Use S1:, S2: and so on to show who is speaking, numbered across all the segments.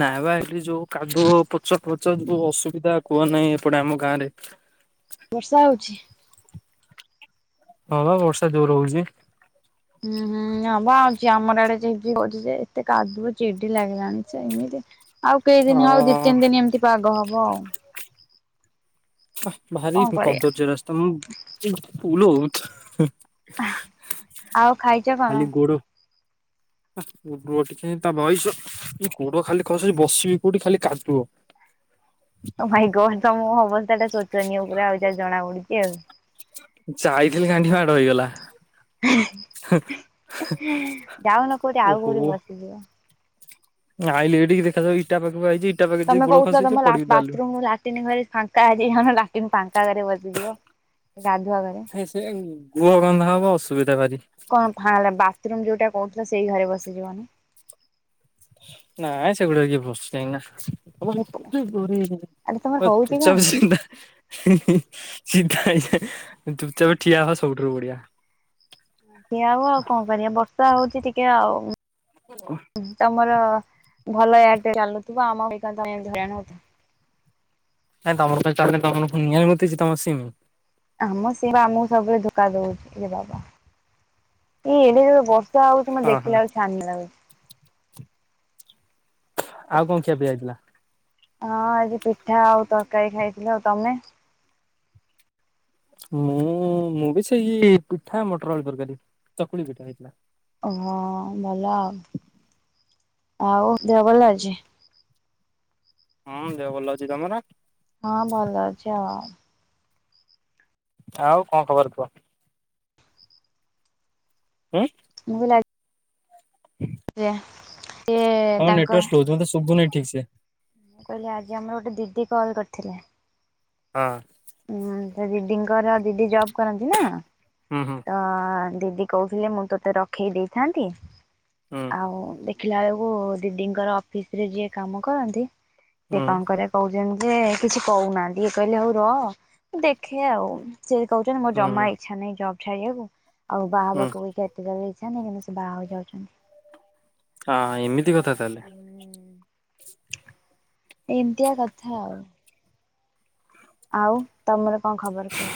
S1: ନାଇ ବା ଏଠି ଯୋଉ କାଦୁଅ ପୋଚ ପୋଚ ଯୋଉ ଅସୁବିଧା କୁହ ନାହିଁ ଏପଟେ ଆମ ଗାଁରେ
S2: ବର୍ଷା ହଉଛି
S1: ହଁ ବର୍ଷା ଜୋର ହଉଛି
S2: ହୁଁ ହୁଁ ହଁ ହଁ ବା ଆଜି ଆମର ଇଆଡେ ଝିପିଝିପି ହଉଛି ଯେ ଏତେ କାଦୁଅ ଚିଡି ଲାଗିଲାଣି ଛେ ଏମିତି ଆଉ କେଇ
S1: ଅ
S2: ଦିନ ହଉ ଦି ତିନି ଦିନ ଏମିତି ପାଗ ହବ ଆଉ
S1: ଭାରି
S2: କଣ କରିବା
S1: କଦର୍ଯ୍ୟ ରାସ୍ତା ମୁଁ ଫୁଲ ହଉ
S2: ଆଉ ଖାଇଛ
S1: ଖାଲି
S2: କଣ?
S1: ଗୋଡ ରୁହ ଟିକେ ତା ବୟସ କୋଡ ଖାଲି ଖସୁଛି ବସିବି କୋଉଠି ଖାଲି କାଦୁଅ
S2: ଓ ମାଇଁ ଗଡ୍ ତମ ଅବସ୍ଥା ଟା ଶୋଚନୀୟ ପୁରା ଆଉ ଯାହା ଜଣା ପଡୁଛି ଆଉ।
S1: ଯାଇଥିଲି ଗାଣ୍ଠି ମାଡ ହେଇଗଲା
S2: ଯାଉନ କୋଉଠି ଆଉ
S1: ଓହୋ।
S2: କୋଉଠି ବସିଯିବ
S1: ଆଇଲି ଏଇଠିକି ଦେଖାଯାଉ ଇାଟା
S2: ତମେ କହୁଥିଲ ତମ ବାଥରୁମ ଲାଟିନ ଘରେ ଫାଙ୍କା ଅଛି ଲାଟିନ ଫାଙ୍କା ଘରେ ବସିଯିବ ଗାଧୁଆ ଘରେ
S1: ସେ ସେ ଗୁହ ଗନ୍ଧା ହବ ଅସୁବିଧା ଭାରି
S2: କଣ ବାଥରୁମ ଯୋଉଟା କହୁଥିଲ ସେଇ ଘରେ ବସିଯିବନା
S1: ନା ଆ ସେଗୁଡା କିଏ ବସୁଛି ଯାଇକି
S2: ଆରେ ତମର ହଉଛି କଣ?
S1: ନା ଚ କାଇଁ ଚୁପଚାପ ଠିଆ ହ ସବୁଠାରୁ ବଢିଆ
S2: ଠିଆ ହେବା ଆଉ କଣ କରିବା ବର୍ଷା ହଉଛି ଟିକେ ଆଉ ଆମର ଭଲ ଆର୍ଟ ଚାଲୁଥିବ ଆମ ଭଳି କାଇଁ ଏମିତି ହଇରାଣ ହେଉଥିବ
S1: କାଇଁ ତମର କଣ ଚଲୁନି ତମର ଫୁଣି ନିଆରେ ବତିଛି ତମ ସିମ
S2: ଆମ ଶିରା ଆମକୁ ସବୁବେଳେ ଧୋକା ଦଉଛି ଇରେ ବାବା ଇଏ ଏଡେ ଜୋର ରେ ବର୍ଷା ହଉଛି
S1: ହଁ ହଁ।
S2: ଦେଖିଲା ବେଳକୁ ଛାନିଆ ଲାଗୁଛି
S1: ଆଉ କଣ ଖିଆ ପିଆ ହେଇଥିଲା?
S2: ହଁ ଆଜି ପିଠା ଆଉ ତରକାରୀ ଖାଇଥିଲ ଆଉ ତମେ
S1: ମୁଁ ମୁଁ ବି ସେଇ ପିଠା ମଟର ଆଳୁ ତରକାରୀ ଚକୁଳି ପିଠା ହେଇଥିଲା
S2: ହହ ଭଲ ଆଉ ଆଉ ଦେହ ଭଲ ଅଛି
S1: ହଁ ଦେହ ଭଲ ଅଛି ତମର
S2: ହଁ ଭଲ ଅଛି ଆ
S1: ଆଉ କଣ ଖବର କୁହ ହୁଁ
S2: ମୁଁ ଲ ସିଏ
S1: ତମ
S2: ତାଙ୍କ
S1: ନେଟୱକ୍ ସ୍ଲୋ ଅଛି ମତେ ସୁଭୁ ନେହି ଠିକ ସେ
S2: ମୁଁ କହିଲି ଆଜି ଆମର ଗୋଟେ ଦିଦି କଲ୍ କରିଥିଲେ
S1: ହଁ
S2: ହଁ ଦିଦିଙ୍କର ଦିଦି ଜବ କରନ୍ତି ନା
S1: ହୁଁ ହୁଁ
S2: ତ ଦିଦି କହୁଥିଲେ ମୁଁ ତୋତେ ରଖେଇ ଦେଇଥାନ୍ତି
S1: ହୁଁ
S2: ଆଉ ଦେ ଦେଖିଲା ବେଳକୁ ଦିଦିଙ୍କର ଅଫିସ ରେ ଯିଏ କାମ କରନ୍ତି ସେଏ
S1: ହୁଁ
S2: କଣ କରିବା କହୁ ଯେମିତି କିଛି କହୁନାହାନ୍ତି ଇଏ କହିଲେ ହଉ ର ଦେଖେ ଆଉ ସେ ଯଦି କହୁଛନ୍ତି ମୋର ଜମା
S1: ହୁଁ
S2: ଇଛା ନାହିଁ ଜବ୍ ଛାଡିବାକୁ ଆଉ
S1: ହୁଁ
S2: ବାହାହେବାକୁ ବି ଏତଜଲ୍ଡି କିନ୍ତୁ ସେ ବାହାହେବାକୁ ଯାଉଛନ୍ତି
S1: ହଁ ଏମିତି କଥା ତାହେଲେ
S2: ଏମିତିଆ କଥା ଆଉ ଆଉ ତମର କଣ ଖବର କୁହ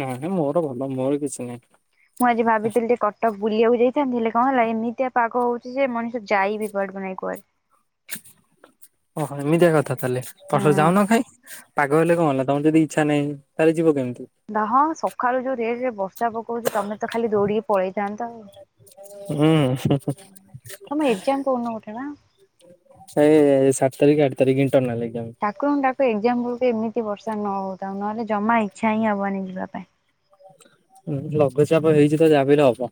S1: ନାଇଁ ନାଇଁ ମୋର ଭଲ ମୋର କିଛି ନାହିଁ
S2: ମୁଁ ଆଜି ଭାବିଥିଲି ଟିକେ କଟକ ବୁଲିବାକୁ ଯାଇଥାନ୍ତି ହେଲେ କଣ ହେଲା ଏମିତିଆ ପାଗ ହଉଛି ଯେ ମଣିଷ ଯାଇ ବି କୁଆଡୁକୁ ନାଇ କୁଆଡେ
S1: କ ତାହେଲେ ପରେ
S2: ହଁ
S1: ଯାଉନ କାଇଁ ପାଗ ହେଲେ କଣ ହେଲା ତମର ଯଦି ଇଚ୍ଛା ନାହିଁ ତାହେଲେ ଯିବ କେମିତି
S2: ଦ ହଁ ସକାଳୁ ଯୋଉ ରେଟ ରେ ବର୍ଷା ପକଉଛି ତମେ ତ ଖାଲି ଦୌଡିକି ପଳେଇ ଯାଅନ୍ତ ଆଉ ଉଁ
S1: ହୁଁ।
S2: ତମ ଏକ୍ସାମ୍ କୋଉ ଦିନ ଗୋଟେ ବା?
S1: ସେଇ ସାତ ତାରିକି ଆଠ ତାରିକି।
S2: ଠାକୁରଙ୍କୁ ଡାକ ଏଗଜାମ୍ ବହୁତ୍ ଏମିତି ବର୍ଷା ନ ହଉଥାଉ ନହେଲେ ଜମା ଇଚ୍ଛା ହିଁ ହବନି ଯିବା ପାଇଁ।
S1: ଲ ଲଘୁଚାପ ହେଇଛି ତ ଯାହାବି ହେଲେ ହବ।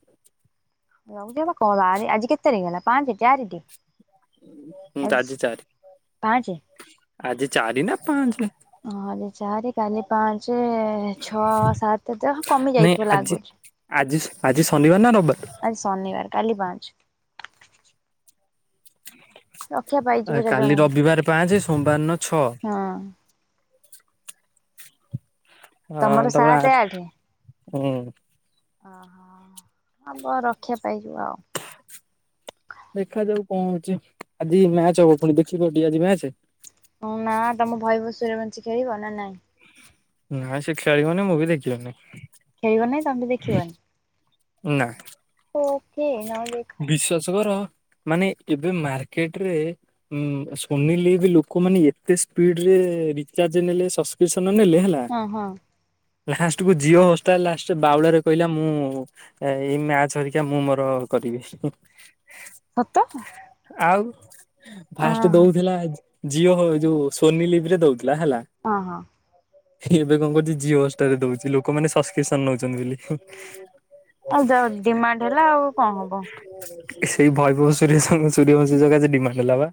S2: ଲଘୁଚାପ ବା କହ ଆ ଆଜି କେତେ ତାରିଖ ହେଲା ପାଞ୍ଚା ଚାରିଟି
S1: ହୁଁ
S2: ଆଜ୍
S1: ଆଜି ଚାରି
S2: ପାଞ୍ଚେ
S1: ଆଜି ଚାରି ନା ପାଞ୍ଚେ
S2: ହଁ ଆଜି ଚାରି କାଲି ପାଞ୍ଚ ଛଅ ସାତେ ତ କମି
S1: ନାଇଁ
S2: ଯାଇଥିବ
S1: ଆଜି
S2: ଲାଗୁଛି।
S1: ଆଜି ଆଜି ଶନିବାର ନା ରବ୍
S2: ଆଜି ଶନିବାର କାଲି ପାଞ୍ଚ। ରକ୍ଷା ପାଇଯିବ
S1: ଆ
S2: ଯା ଜଣେ
S1: କାଲି
S2: ହଁ
S1: ରବିବାରେ ପାଞ୍ଚେ ସୋମବାରନ ଛଅ ଆଁ
S2: ତମର
S1: ତାପରେ
S2: ସାତେ
S1: ଆଠେ ହୁଁ।
S2: ହଁ ହଁ ହଁ ଆମ ରକ୍ଷା ପାଇଯିବ ଆଉ।
S1: ଦେଖାଯାଉ କଣ ହଉଛି ଆଜି ମ୍ୟାଚ ହବ ପୁଣି ଦେଖିବ ଟିକେ ଆଜି ମ୍ୟାଚ
S2: ହଁ ନା ତମ ବୈବଭସୂର୍ଯ୍ୟବଂଶୀ ଖେଳିବ ନା ନାଇଁ?
S1: ନାଇଁ ସେ ଖେଳିବନି ମୁଁବି ଦେଖିବିନି।
S2: ଖେଳିବ ନାଇଁ ତମେ ବି ଦେଖିବନି।
S1: ଉ ନା,
S2: ଓକେ ନ ଦେଖ
S1: ବିଶ୍ୱାସ କର ମାନେ ଏବେ ମାର୍କେଟରେ ଉ ସୋନିଲିଭ୍ ଲୋକମାନେ ଏତେ ସ୍ପିଡ୍ ରେ ରେ ରିଚାର୍ଜ ନେଲେ ସବସ୍କ୍ରିପସନ ନେଲେ ହେଲା
S2: ହଁ ହଁ
S1: ଲାଷ୍ଟ କୁ ଜିଓ ହଷ୍ଟାଲ ଲାଷ୍ଟ ବାଉଳାରେ କହିଲା ମୁଁ ଏଇ ମ୍ୟାଚ ହେରିକା ମୁଁ ମ ର କରିବି ହୁଁ
S2: ସତ?
S1: ଫାଷ୍ଟ
S2: ଓହୋ
S1: ଦୋଉଥିଲା ଜିଓ ଯୋଉ ସୋନି ଲିଭରେ ଦୋଉ ଥିଲା ହେଲା।
S2: ହଁ ହଁ
S1: ଏବେ କଣ କରୁଛି ଜିଓ ହସ୍ଟାର୍ ଦୋଉଛି ଲୋକମାନେ ସବସ୍କ୍ରିପସନ ନୋଉଚନ୍ତି ବୋଲି।
S2: ଆଉ ଯ ଡିମାଣ୍ଡ ହେଲା ଆଉ କଣ ହବ
S1: ସେଇ ବୈଭବ ସୂର୍ଯ୍ୟ ସଙ୍ଗେ ସୂର୍ଯ୍ୟବଂଶୀ ସକାଶେ ଡିମାଣ୍ଡ ହେଲା ବା।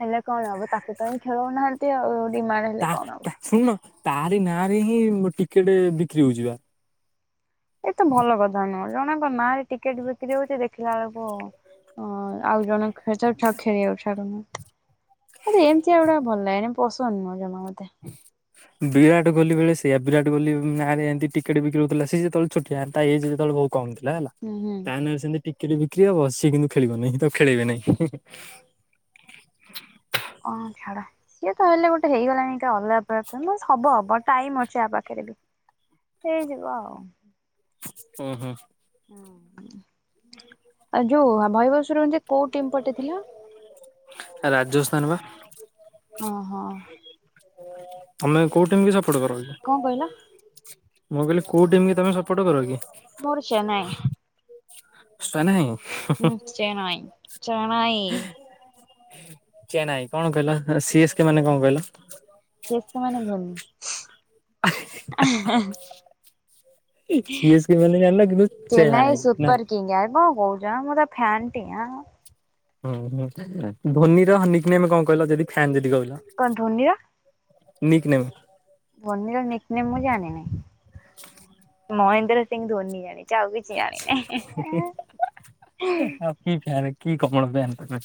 S2: ହେଲେ କଣ ହବ ତାକୁ ତ ହିଁ ଖେଳଉନାହାନ୍ତି ଆଉ ଡିମାଣ୍ଡ ହେଲେ
S1: ତା
S2: କଣ ହବ।
S1: ତା ଶୁଣ ତାରି ନାଁରେ ହିଁ ଟିକେଟ ବିକ୍ରି ହଉଛି ବା।
S2: ଏତ ଭଲ କଥା ନୁହଁ ଜଣଙ୍କ ନାଁରେ ଟିକେଟ ବିକ୍ରି ହୋଉଛି ଦେଖିଲା ବେଳକୁ ଓ ଆଉ ଜଣେ ଖେଳୁଚନ୍ତି ତାକୁ ଖେଳିବାକୁ ଛାଡୁନାହାନ୍ତି। ଆରେ ଏମିତିଆ ଗୁଡ଼ା ଭଲ ଲାଗେନି ପସନ୍ଦ ନୁହେ ଜମା ମତେ।
S1: ବିରାଟ କୋହଲି ବେଳେ ସେଇଆ ବିରାଟ କୋହଲି ନାରେ ଏମିତିି ଟିକେଟ୍ ବିକିରି ହେଉଥିଲା ସେ ଯେତବେଳେ ଛୋଟିଆ ତା ଏଜେ ଯେତେବେଳେ ବହୁତ୍ କମ ଥିଲା ହେଲା।
S2: ହୁଁ ହୁଁ।
S1: ତା ନାରେ ସେମିତି ଟିକେଟ୍ ବି କି ହବ ସିଏ କିନ୍ତୁ ଖେଳିବ ନାହିଁ। ତାକୁ ଖେଳେଇବେ ନାହିଁ।
S2: ହଁ ଛାଡ ସିଏ ତ ହେଲେ ଗୋଟେ ହେଇଗଲାଣି ହେଟା ଅଲଗା ପ୍ରଥା ହବ ହବ ଟାଇମ ଅଛି ଆ ପାଖରେ। ଏଠୁ ହେଇଯିବ ଆଉ
S1: ଅ ହ
S2: ହୁଁ ଏ ଯୋଉ ବୈଭବ ସୂର୍ଯ୍ୟବଂଶୀ କୋଉ ଟିମ୍ ପଟେ ଥିଲା?
S1: ରାଜସ୍ଥାନ ବା।
S2: ଓହୋ।
S1: ତମେ କୋଉ ଟିମ କୁ ଜ
S2: କଣ କହିଲ?
S1: ମୁଁ କହିଲି କୋଉ ଟିମ୍ କି ତମେ ସପୋର୍ଟ କର କି?
S2: ମୋର ଚେନ୍ନାଇ।
S1: ସ୍ତେନେଇ।
S2: ହଁ ଚେଣଇ ଚେଣାଇ,
S1: ଚେନାଇ କଣ କହିଲ ସିଏସ୍ କେ ମାନେ କଣ କହିଲ?
S2: [unintelligible] ହେଁ ହେଁ,
S1: [inaudible] ସିଏସ୍ କେ ମାନେ ଜାଣିନ କିନ୍ତୁ
S2: ଚେନ୍ନାଇ
S1: ନା
S2: ସୁପର କିଙ୍ଗ ଆଉ କଓଁ କହୁଚ ମୁଁ ତା ଫ୍ୟାନ। ଟିଆଁ।
S1: ହୁଁ ହୁଁ ଧୋନୀର ହଁ ନିକ୍ ନେମ୍ କଣ କହିଲ ଯଦି ଫ୍ୟାନ ଯଦି କ
S2: କଣ ଧୋନିଅ
S1: ନିକ୍ ନେମ୍।
S2: ଧୋନିର ନିକ୍ ନେମ୍ ମୁଁ ଜାଣିନି।
S1: [inaudible]
S2: ମହେନ୍ଦ୍ର ସିଂ ଧୋନି ଜାଣିଛି ଆଉ କିଛି ଜାଣିିନାହିଁ।
S1: ଆଉ କି ଫ୍ୟାନ୍ କି କଅଣ ବ୍ୟନ ତମେ।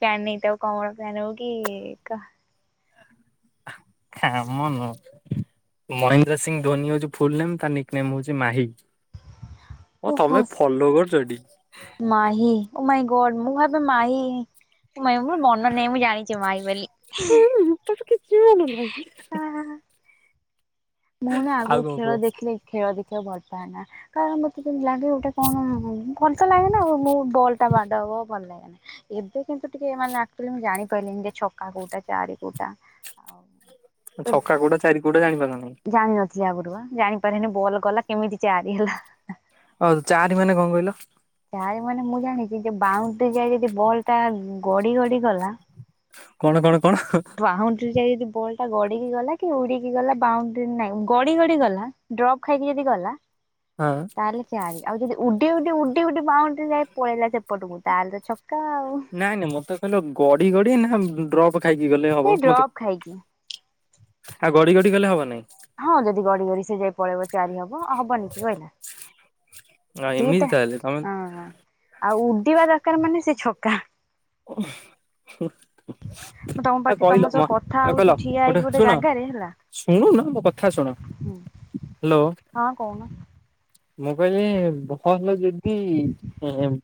S2: ପ୍ୟାନ୍ ନେଇଥାଉ [unintelligible]
S1: ହାଁ ମୁନୁ। ମହେନ୍ଦ୍ର ସିଂହ ଧୋନି ହଉଛି ତା ଫୁଲ ନେମ୍ ତା ନିକ୍ ନେମ୍ ହଉଛି ମାହି। ହଁ
S2: ଓହୋ
S1: ତମେ ଫଲୋ କରୁଚ ଏଠି।
S2: ମାହି ଓ ମାଈ ଗଡ୍ ମୁଁ ଭାବେ ମାଇ [unintelligible] ମୋର ମନ ନାହିଁ ମୁଁ ଜାଣିଛି ମାଇ ବୋଲି।
S1: ଆଉ କଣ [unintelligible]
S2: ମୁଁ ନା ଆଗରୁ ଖେଳ ଦେଖିଲେ ଖେଳ ଦେଖିବାକୁ ଭଲ ପାଏନା। କାରଣ ମୋତେ କେମତି ଲାଗେ ଗୋଟେ କଣ ଭଲ ତ ଲାଗେନା ଆଉ ମୋ ବଲ୍ ଟା ବାଡ ହବ ଭଲ ଲାଗେନା। ଏବେ କିନ୍ତୁ ଟିକେ ମାନେ ଅକ୍ଚୁଆଲି ମୁଁ ଜାଣି ପାରିଲିନି ଯେ ଛକା କୋଉଟା ଚାରି କୋଉଟା। ଆଉ
S1: ଛକା କଉଟା ଚାରି କୋଉଟା ଜାଣି ପାରିଲୁନୁ?
S2: ଜାଣିିନଥିଲି ଆଗରୁ ବା ଜାଣିପାରେନି ବଲ୍ ଗଲା କେମିତି ଚାରି ହେଲା।
S1: ହଉ ଚାରି ମାନେ କଣ କହିଲ?
S2: ଚାରି ମାନେ ମୁଁ ଜାଣିଛି ଯେ ବାଉଣ୍ଡ୍ରି ଯାଏ ଯଦି ବଲ୍ ଟା ଗଡି ଗଡି ଗଲା।
S1: କଣ କଣ?
S2: [unintelligible] ବଲ୍ ଟା ଗଡିକି ଗଲା କି ଉଡିକି ଗଲା ବାଉଣ୍ଡ୍ରି ନାଇଁ ଗ ଗଡି ଗଲା ଡ୍ରପ୍ ଖାଇକି ଯଦି ଗଲା।
S1: ହଁ
S2: ତାହେଲେ ଚାରି ଆଉ ଯଦି ଉଡି-ଉଡି-ଉଡି ବାଉଣ୍ଡ୍ରି ଯାଏ ପଳେଇଲା। ସେପଟକୁ ତାଆଲେ ଛ
S1: ନାଇଁ ନାଇଁ ମତେ କହିଲ ଗଡି ଗଡି ନା ଡ୍ରପ୍ ଖାଇକି ଗଲେ
S2: ସେ
S1: ହବ ମତେ
S2: ଡ୍ରପ୍ ଖାଇକି
S1: ଆଉ ଗଡି-ଗଡି ଗଲେ ହବନାଇ।
S2: ହଁ ଯଦି ଗଡି-ଗଡି ସେ ଯାଇ ପଳେଇବ ଚାରି ହବ ଆଉ ହବନି କି କହିଲା?
S1: ଆ ଏମିତି
S2: ଦିଟା
S1: ତାହେଲେ ତମେ
S2: ହଁ ଆଉ ଉଡିବା ଦରକାର ମାନେ ସେ ଛକା।
S1: ଓ [unintelligible]
S2: ତମ ପାଖି ତମ ସହ କଥା ହଉଛି ଠିଆ ହେଇକି ଗୋଟେ ଜାଗାରେ ହେଲା।
S1: ଶୁଣୁନ ମୋ କଥା ଶୁଣ। ହ୍ୟାଲୋ
S2: ହଁ କହୁନ।
S1: ମୁଁ କହିଲି ବଲ ଯଦି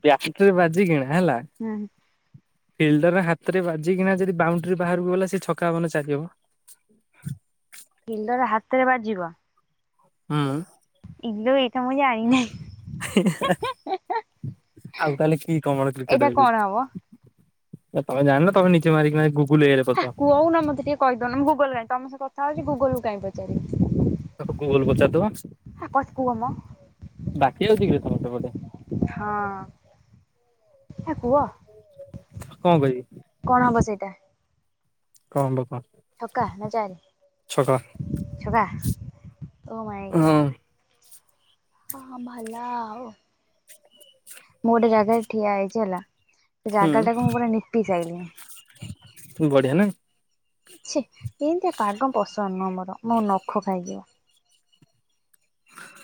S1: ବ୍ୟାଟ୍ ରେ ବାଜି କିନା ହେଲା।
S2: ହୁଁ
S1: ଫିଲ୍ଡର ହାତରେ ବାଜିକିନା ଯଦି ବାଉଣ୍ଡ୍ରି ବାହାରକୁ ଗଲା ସେ ଛକା ହବନା ଚାରି ହେବ। [inaudible]
S2: ତେରେ ବାଜିବ।
S1: ହଁ।
S2: ଇଲୋ ଏଇଟା ମୁଁ ଜାଣିନାଇ।
S1: ଆଉ ତାହେଲେ କି କମଳ କ୍ରିକେଟ
S2: ହବ?
S1: ଦେଖୁଛି ତମେ ଜାଣିନ ତମେ ନିଜେ ମାରିକିନା ଗୁ
S2: ହେ କୁହୁନ ମତେ ଟିକେ କହିଦଉନ ମୁଁ ଗୁଗଲ କାଇଁ ତମ ସ କଥା ହଉଛି ଗୁଗଲକୁ କାଇଁ ପଚାରିବି।
S1: ତା ଗୁଗଲ କୁ ପଚାରିଦେବା।
S2: ଆ କ କୁହ ମ
S1: ବାକି ଅଛି କି ରେ ତମର ସେପଟେ?
S2: ହେ କୁହ
S1: କଣ କହିବି
S2: କଣ ହବ ସେଇଟା?
S1: [unintelligible]
S2: ଛକା ନଚାରି
S1: ଛକା
S2: ଛକା। ଓ ମାୟି ଗ
S1: ହଁ
S2: ହଁ ଭଲ ଆଉ। ମୁଁ ଗୋଟେ ଜାଗାରେ ଠିଆ ହେଇଛି ହେଲା। ସେ ଜାଗା
S1: ହୁଁ
S2: ଟାକୁ ମୁଁ ପୁରା ନିପି ସାଇଲିନି।
S1: ବଢିଆ ନା।
S2: ଛି ଏମିତିଆ ପାଗ ପସନ୍ଦ ନୁହଁ ମୋର ମୋ ନଖ ଖାଇଯିବ।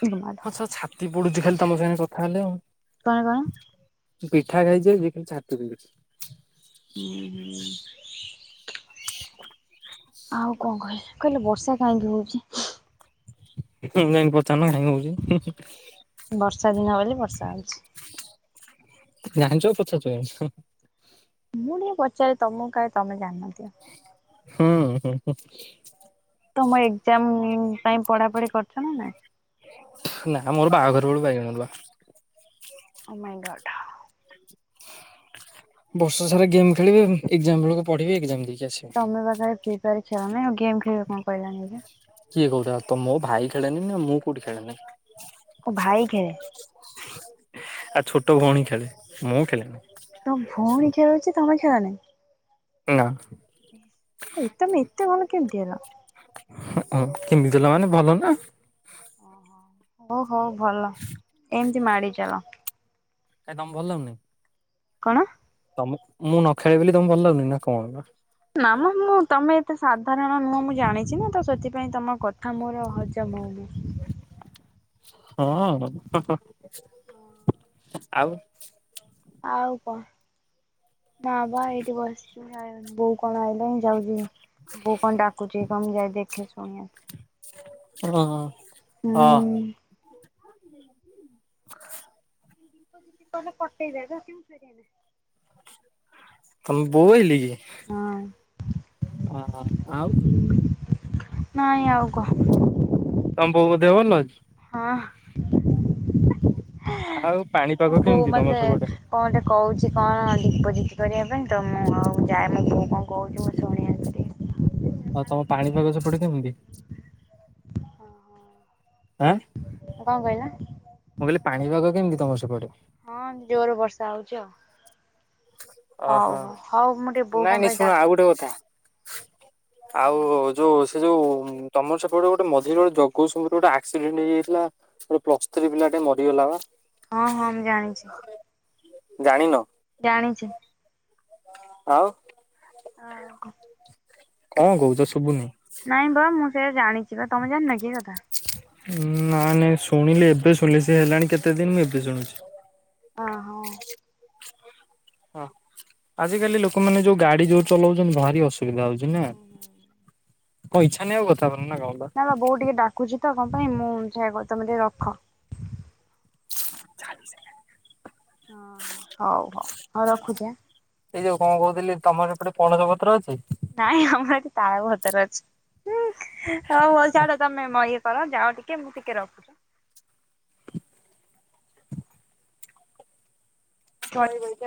S2: ଇଲୋ ମାଲୋ।
S1: ହଁଛ ଛାତି ପଡୁଛି ଖାଲି ତମ ସାଙ୍ଗେ କଥା ହେଲେ ଆଉ।
S2: କଣେ କଣ?
S1: ପିଠା ଖାଇଛି ଯଏ ଛାତି ବିନ୍ଧୁଚି।
S2: ଆଉ କଣ କହିଲି କହିଲେ ବର୍ଷା କାହିଁକି ହଉଛି?
S1: ଯାଇଙ୍କ ପଚାରୁ ନା କାଇଁ ହଉଛି?
S2: ଖାଲି ବର୍ଷା ଅଛି।
S1: ଜାଣିଛ ପଚାରୁଛ କାଇଁ?
S2: ମୁଁ ଟିକେ ପଚାରି ତମକୁ କାହିଁ ତମେ ଜାଣିନଥିବା।
S1: ହୁଁ ହୁଁ ହଁ।
S2: ତମ ଏକ୍ଜାମ ପାଇଁ ପଢାପଢି କରିଛ ନା ନାଇ?
S1: ନା ମୋର ବାହାଘର ବେଳୁ ବାଇଗଣ ରୁଆ।
S2: ଓମାଇ ଗଡହ।
S1: ବର୍ଷ ସାରା ଗେମ୍ ଖେଳିବି। ଏକ୍ଜାମ ବେଳକୁ ପଢିବେ ଏକ୍ସାମ୍ ଦେଇ
S2: ତମେ ପାଖରେ ଫି ଫାର ଖେଳ ନାହି ଆଉ ଗେମ୍ ଖେଲିବ କଣ କହିଲାନି ଯେ।
S1: କିଏ କହୁଥିଲା ତ ମୋ ଭାଇ ଖେଳେ ନି ନା ମୁଁ କୋଉଠି ଖେଳେନି?
S2: ଓ ଭାଇ ଖେଳେ।
S1: ଆଉ ଛୋଟ ଭଉଣୀ ଖେଳେ ମୁଁ ଖେଳେନି।
S2: ତମ ଭଉଣୀ ଖେଳୁଛି ତମେ ଖେଳ ନାଇ?
S1: ନା।
S2: ଏତମେ ଏତେ ଭଲ କେମିତି ହେଲ?
S1: [unintelligible]
S2: ଓହୋ ହଉ ହଉ ଭଲ ଏମିତି ମାଡି ଚାଲ।
S1: କାଇଁ ତମ ଭଲାଗୁନି।
S2: କଣ?
S1: ମୁଁ ନ ଖେଳେ ବୋଲି ତମେ ଭଲ ଲାଗୁନି ନା କଣ ନା?
S2: ନା ମ ମୁଁ ତମେ ଏତେ ସାଧାରଣ ନୁହଁ ମୁଁ ଜାଣିଛି ନା ତ ସେଥିପାଇଁ ତମ କଥା ମୋର ହଜମହଉନି।
S1: ହଁ ଆଉ।
S2: ଆଉ କଣ ମା ବା ଏଇଠି ବସିଛ ଆ ବୋଉ କଣ ଆଇିଲାଣି ଯାଉଛି ବୋଉ କଣ ଡାକୁଛି କଣ ଯାଇ ଦେଖି ଶୁଣି ଆସେ।
S1: ହଁ। ହଁ।
S2: ହୁଁ।
S1: [inaudible]
S2: [unintelligible]
S1: ତମ ବୋଉ ଆଇଲେ କି?
S2: ହଁ
S1: ଓହୋ ଆଉ।
S2: ନାଇଁ ଆଉ କହ।
S1: ତମ ବୋଉଙ୍କ ଦେହ ଭଲ ଅଛି।
S2: ହଁ। [unintelligible] କିଛି କଣ
S1: ଆଉ
S2: ଦୀପ
S1: ପାଣିପାଗ
S2: ଜିତି
S1: କେମିତି
S2: କରିବା
S1: ତମର ସେପଟେ?
S2: ପାଇଁ ତ ମୁଁ ଆଉ ଯାଏ ମୁଁ ବୋଉ କଣ କହୁଛି ମୁଁ ଶୁଣିଆସିକି।
S1: ଆଉ ତମ ପାଣିପାଗ ସେପଡେ କେମିତି? ଆଁ।
S2: କଣ କହିଲା।
S1: ମୁଁ କହିଲି ପାଣିପାଗ କେମିତି ତମର ସେପଟେ?
S2: ହଁ ଜୋରରେ ବର୍ଷା ହଉଛି ଆଉ। ହଉ
S1: ଓହୋ
S2: ହଉ ହଉ ମୁଁ ଟିକେ
S1: ନାଇଁ
S2: ବୋଉ କଣ
S1: ନାଇଁ
S2: ପାଇଁ ଡା
S1: ଶୁଣ ଆଉ ଗୋଟେ କଥା। ଆଉ
S2: ହଁ
S1: ଯୋଉ ସେ ଯୋଉ ତମର ସେପଟ ଗୋଟେ ମଝିରେ ଜଗଉଛନ୍ତି ରେ ଗୋଟେ ଆକ୍ସିଡେଣ୍ଟ ହେଇଯାଇଥିଲା ଟେ ପ୍ଲସ ଥ୍ରୀ ପିଲା ଟେ ମରିଗଲା ବା।
S2: ହଁ ହଁ ମୁଁ ଜାଣିଛି।
S1: ଜାଣିନ?
S2: ଜାଣିଛି।
S1: ଆଉ
S2: ଆଉ କହ
S1: କଣ କହୁଛ ଶୁଭୁନି।
S2: ନାଇଁ ବା ମୁଁ ସେଇଆ ଜାଣିଛି। ସେବା ତମେ ଜାଣିିନ କିଏ କଥା?
S1: ନା ନାଇଁ ଶୁଣିଲି ଏବେ ଶୁଣିଲି ସି ହେଲାଣି କେତେ ଦିନ ମୁଁ ଏବେ ଶୁଣୁଛି।
S2: ଆଁ ହୋ।
S1: ହଁ ଆଜିକାଲି ଲୋକମାନେ ଯୋଉ ଗାଡି ଯୋଉ ଚଲାଉଛନ୍ତି ଭାର ଅସୁ ଅସୁବିଧା ହୋଉଛି ନା କଣ ଇଚ୍ଛା ନାଇଁ ଆଉ କଥା ହବା।
S2: ନା ବା ବୋଉ ଟିକେ ଡାକୁଛି ତ କଣ ପାଇଁ ମୁଁ ଯାଏ ତମେ ଟିକେ ରଖ।
S1: ଚାଲ୍ ସିଧା।
S2: ହୋଉ ହୋଉ ଆଉ ରଖୁଛି ଆଁ।
S1: ଏଇ ଯୋଉ କଣ କହୁଥିଲି ତମର ଏପଟେ ପଣସ ପତ୍ର ଅଛି।
S2: ନାଇଁ ଆମର ତା ପତର ଅଛି ହଉ ଚାଡ ତମ ମ ଇଏ କଣ ଯାଅ ଟିକେ ମୁଁ ଟିକେ ରଖୁଛି।
S1: କହି କହିକା